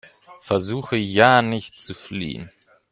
Versuche ja nicht zu fliehen!